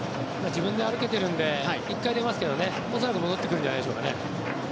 自分で歩けているので１回、出ますけど恐らく戻ってくるんじゃないでしょうか。